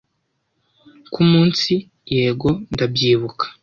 ko umunsi yego ndabyibuka